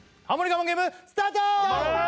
我慢ゲームスタート！